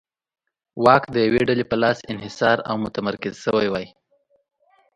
واک د یوې ډلې په لاس انحصار او متمرکز شوی وای.